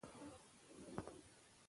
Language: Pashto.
آب وهوا د افغانانو ژوند اغېزمن کوي.